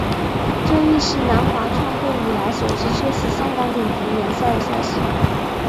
这亦是南华创会以来首次缺席香港顶级联赛赛事。